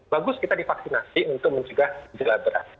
bagus kita divaksinasi untuk mencegah geladera